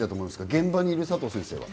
現場にいる佐藤先生は？